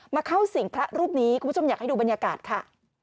เข้าสิ่งพระรูปนี้คุณผู้ชมอยากให้ดูบรรยากาศค่ะ